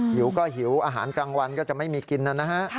หิวก็หิวอาหารกลางวันก็จะไม่มีกินนะฮะ